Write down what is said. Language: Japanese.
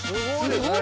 すごい。